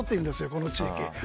この地域。